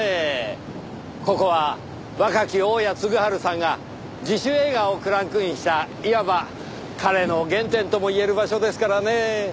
ここは若き大屋嗣治さんが自主映画をクランクインしたいわば彼の原点とも言える場所ですからね。